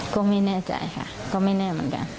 ก็ไม่แน่ใจค่ะก็ไม่แน่เหมือนกัน